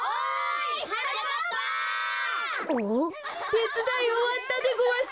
てつだいおわったでごわす！